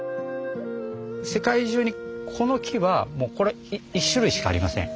世界中にこの木はこれ１種類しかありません。